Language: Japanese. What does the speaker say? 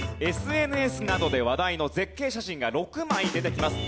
ＳＮＳなどで話題の絶景写真が６枚出てきます。